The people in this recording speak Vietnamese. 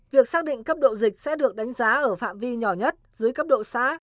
việc xác định cấp độ dịch sẽ được đánh giá ở phạm vi nhỏ nhất dưới cấp độ xã